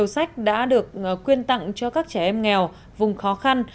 sách đã được quyên tặng cho các trẻ em nghèo vùng khó khăn